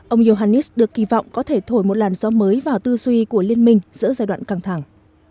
ông johanis được kỳ vọng có thể thổi một làn gió mới vào tư duy của liên minh giữa giai đoạn căng thẳng